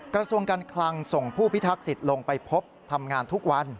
กระทรวงการคลังส่งผู้พิทักษิตลงไปพบทำงานทุกวัน